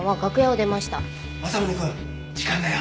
政宗くん時間だよ。